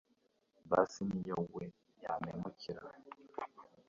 basi niyo we yampemukira